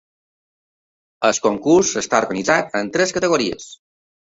El concurs està organitzat en tres categories.